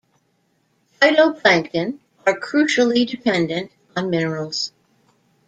Phytoplankton are crucially dependent on minerals.